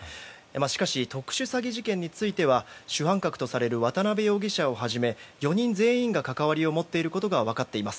しかし、特殊詐欺事件については主犯格とされる渡邉容疑者をはじめ４人全員が関わりを持っていることが分かっています。